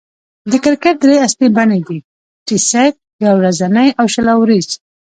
د کرکټ درې اصلي بڼې دي: ټېسټ، يو ورځنۍ، او شل اووريز.